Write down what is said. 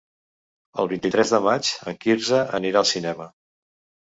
El vint-i-tres de maig en Quirze anirà al cinema.